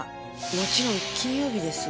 もちろん金曜日です。